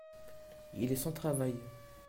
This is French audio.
il est sans travail.